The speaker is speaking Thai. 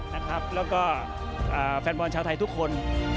และแฟนบรอนชาวไทยทุกคน